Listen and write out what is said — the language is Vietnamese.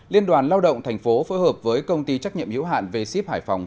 liên đoàn lao động thành phố phối hợp với công ty trách nhiệm hiểu hạn v ship hải phòng